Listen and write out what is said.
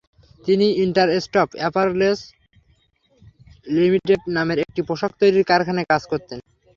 তিনি Interstop Apparels Limited নামের একটি পোশাক তৈরির কারখানায় কাজ করতেন।